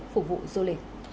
phục vụ du lịch